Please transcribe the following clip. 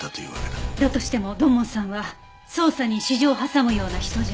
だとしても土門さんは捜査に私情を挟むような人じゃ。